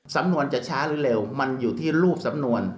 สำนวนจะช้าหรือเร็วมันอยู่ที่รูปสำนวน